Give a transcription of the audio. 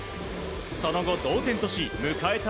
その後、同点とし迎えた